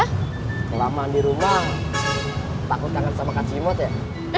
selama mandi rumah takut kangen sama kak cimot ya